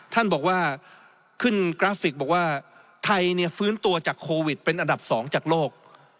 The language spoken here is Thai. ท่านบอกว่าขึ้นกราฟิกบอกว่าไทยเนี่ยฟื้นตัวจากโควิดเป็นอันดับ๒จากโลก